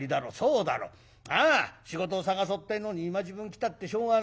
ああ仕事を探そうってえのに今時分来たってしょうがない。